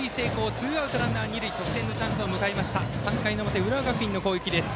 ツーアウトランナー、二塁と得点のチャンスを迎えた浦和学院の攻撃です。